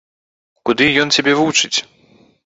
Куды ён цябе вучыць?